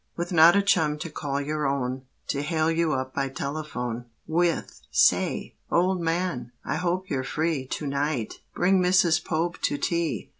With not a chum to call your own, To hale you up by telephone, With, "Say, old man, I hope you're free To night. Bring Mrs. Pope to tea.